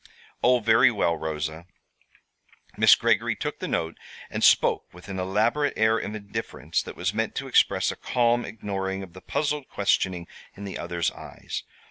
"Oh, very well, Rosa." Miss Greggory took the note and spoke with an elaborate air of indifference that was meant to express a calm ignoring of the puzzled questioning in the other's eyes.